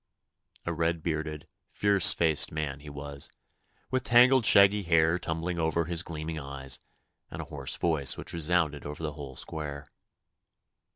A red bearded, fierce faced man he was, with tangled shaggy hair tumbling over his gleaming eyes, and a hoarse voice which resounded over the whole square.